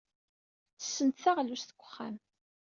Ttessent taɣlust deg wexxam.